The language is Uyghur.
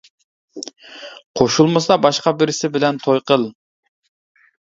-قوشۇلمىسا باشقا بىرسى بىلەن توي قىل.